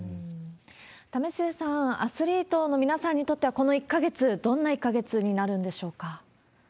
為末さん、アスリートの皆さんにとっては、この１か月、どんな１か月になるんでしょうか？